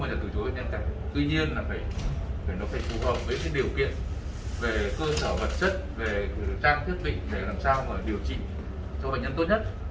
về trang thiết bị để làm sao mà điều trị cho bệnh nhân tốt nhất